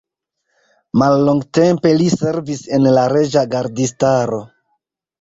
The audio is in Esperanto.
Mallongtempe li servis en la reĝa gardistaro.